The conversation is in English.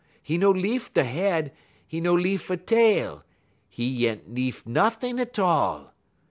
'E no leaf 'e head, 'e no leaf 'e tail; 'e yent leaf nuttin' 't all.